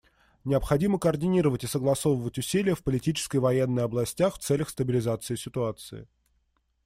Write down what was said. Необходимо координировать и согласовывать усилия в политической и военной областях в целях стабилизации ситуации.